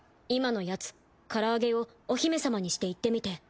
今のやつ「唐揚げ」を「お姫様」にして言ってみて。